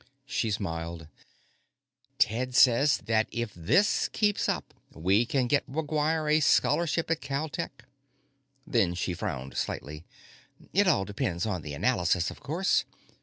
She smiled. "Ted says that if this keeps up, we can get McGuire a scholarship at Cal Tech." Then she frowned slightly. "It all depends on the analysis, of course.